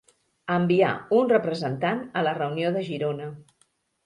Envià un representant a la reunió de Girona.